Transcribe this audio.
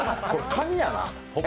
これカニやな、ほぼ。